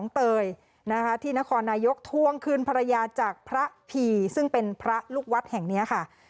เตยนะคะที่นครนายกท่วงคืนภรรยาจากพระผีซึ่งเป็นพระลูกวัดแห่งนี้ค่ะ